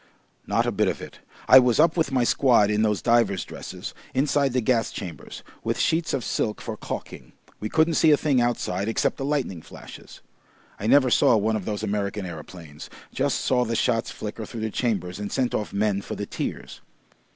"Not a bit of it. I was up with my squad in those divers' dresses, inside the gas chambers, with sheets of silk for caulking. We couldn't see a thing outside except the lightning flashes. I never saw one of those American aeroplanes. Just saw the shots flicker through the chambers and sent off men for the tears.